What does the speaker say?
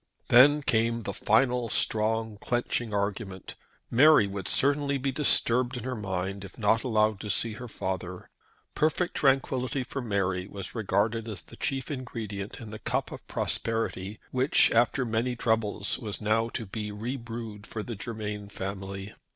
Then came the final, strong, clenching argument. Mary would certainly be disturbed in her mind if not allowed to see her father. Perfect tranquillity for Mary was regarded as the chief ingredient in the cup of prosperity which, after many troubles, was now to be re brewed for the Germain family.